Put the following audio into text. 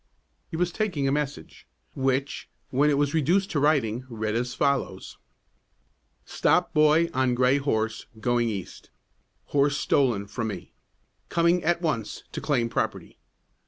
He was taking a message, which, when it was reduced to writing, read as follows: Stop boy on gray horse going east. Horse stolen from me. Coming at once to claim property.